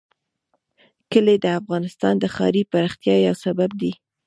کلي د افغانستان د ښاري پراختیا یو سبب دی.